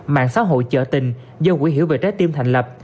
mạng xã hội trợ tình do quỹ hiểu về trái tim thành lập